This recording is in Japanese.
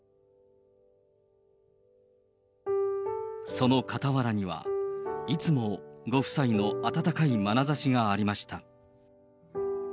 その傍らには、いつもご夫妻の温かいまなざしがありました。